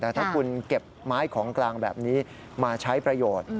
แต่ถ้าคุณเก็บไม้ของกลางแบบนี้มาใช้ประโยชน์